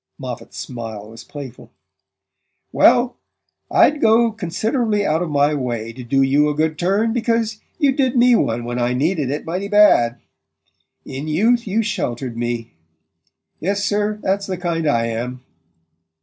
Moffatt's smile was playful. "Well, I'd go considerably out of my way to do you a good turn, because you did me one when I needed it mighty bad. 'In youth you sheltered me.' Yes, sir, that's the kind I am."